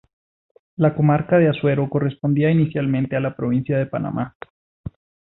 La comarca de Azuero correspondía inicialmente a la provincia de Panamá.